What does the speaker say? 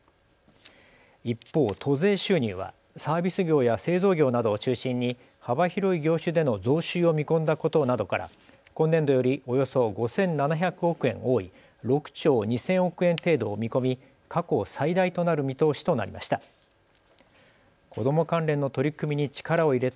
一方、都税収入はサービス業や製造業などを中心に幅広い業種での増収を見込んだことなどから今年度よりおよそ５７００億円多い６兆２０００億円程度を見込み、過去最大となる見通しとなりました。